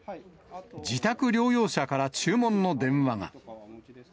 自宅療養者から注文の電話が。